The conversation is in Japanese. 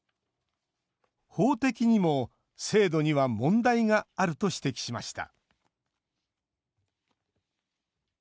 法的にも制度には問題があると指摘しました